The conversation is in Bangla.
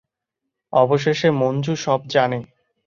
অবশেষে মঞ্জু সব জানে।